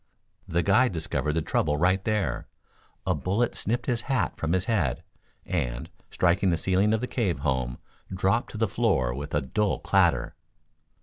The guide discovered the trouble right there. A bullet snipped his hat from his head; and, striking the ceiling of the cave home, dropped to the floor with a dull clatter.